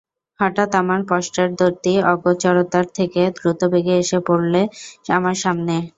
হঠাৎ আমার পশ্চাদ্বর্তী অগোচরতার থেকে দ্রুতবেগে এসে পড়লে আমার সামনে।